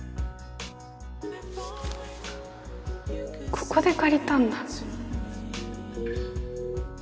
ここで借りたんだ